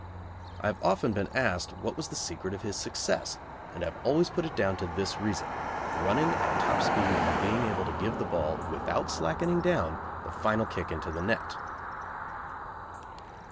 I have often been asked what was the secret of his success, and I have always put it down to this reason: running at top speed and being able to give the ball without slackening down the final kick into the net.